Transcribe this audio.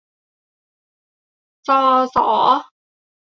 ซอ สอ